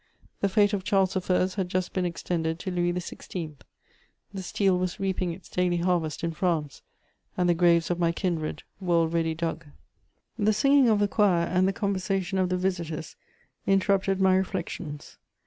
The fate of Charles I. had just been extended to Louis XVI.; the steel was reaping its daily harvest in France, and the graves of my kindred were already dug. The singing of the choir and the conversation of the visitors interrupted my reflections.